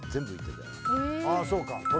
ああそうか。